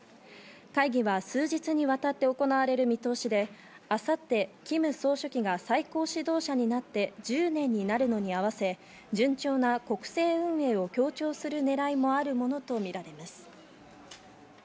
会議は数日にわたって行われる見通しで、明後日、キム総書記が最高指導者になって１０年になるのに合わせ、順調な国政運営を強調するねらいもあるものとみられます。